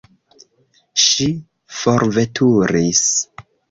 Ŝi forveturis.